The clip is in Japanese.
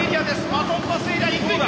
バトンパスエリアいくいく！